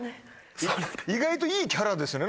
意外といいキャラですよね